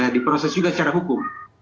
diproses juga secara hukum